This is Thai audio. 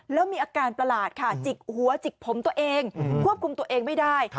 แล้วมีอาการประหลาดค่ะจิกหัวจิกผมตัวเองควบคุมตัวเองไม่ได้